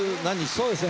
そうですね